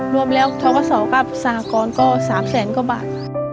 รวมแล้วเทาะสาวกับสาหกรณ์ก็๓แสนกว่าบาท